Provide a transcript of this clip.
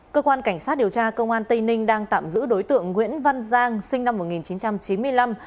cơ quan cảnh sát điều tra công an tây ninh đang tạm giữ đối tượng nguyễn văn giang sinh năm một nghìn chín trăm chín mươi năm